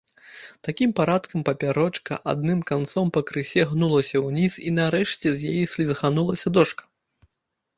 Такім парадкам папярочка адным канцом пакрысе гнулася ўніз, і нарэшце з яе слізганулася дошка.